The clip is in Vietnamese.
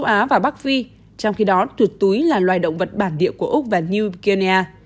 á và bắc phi trong khi đó chuột túi là loài động vật bản địa của úc và new guinea